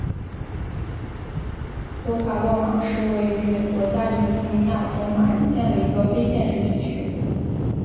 托卡洛马是位于美国加利福尼亚州马林县的一个非建制地区。